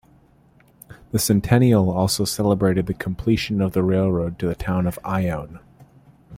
The centennial also celebrated the completion of the railroad to the town of Ione.